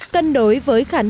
cân đối với khả năng trồng mía